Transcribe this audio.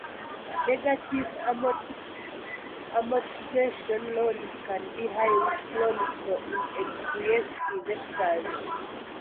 Negative amortization loans can be high risk loans for inexperienced investors.